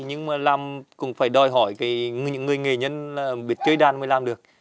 nhưng mà làm cũng phải đòi hỏi những người nghệ nhân biết chơi đàn mới làm được